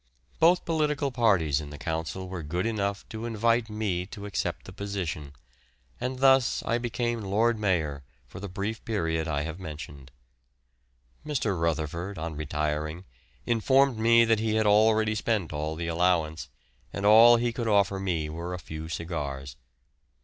Both political parties in the Council were good enough to invite me to accept the position, and thus I became Lord Mayor for the brief period I have mentioned. Mr. Rutherford, on retiring, informed me that he had already spent all the allowance, and all he could offer me were a few cigars.